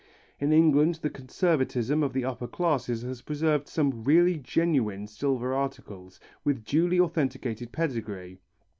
In England the conservatism of the upper classes has preserved some really genuine silver articles with duly authenticated pedigree.